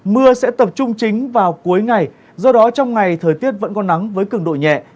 mưa sẽ tập trung chính vào cuối ngày do đó trong ngày thời tiết vẫn có nắng với cường độ nhẹ